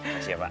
makasih ya pak